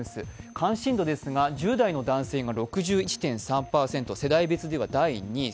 関心度ですが１０代の男性が６１．３％、世代別では第２位。